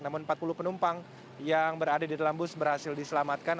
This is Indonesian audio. namun empat puluh penumpang yang berada di dalam bus berhasil diselamatkan